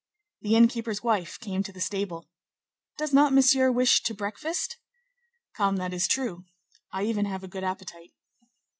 The inn keeper's wife came to the stable. "Does not Monsieur wish to breakfast?" "Come, that is true; I even have a good appetite."